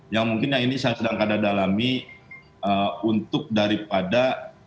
yang mungkin yang ini saya sedang kadang dalami untuk daripada